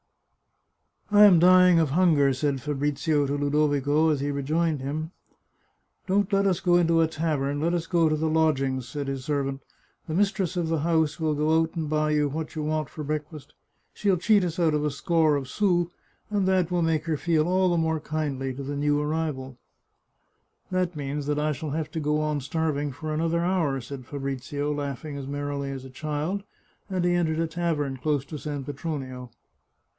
" I am dying of hunger," said Fabrizio to Ludovico as he rejoined him. " Don't let us go into a tavern ; let us go to the lodg ings," said his servant. " The mistress of the house will go out and buy you what you want for breakfast; she'll cheat us out of a score of sous, and that will make her feel all the more kindly to the new arrival." 217 The Chartreuse of Parma " That means that I shall have to go on starving for another hour," said Fabrizio, laughing as merrily as a child, and he entered a tavern close to San Petronio.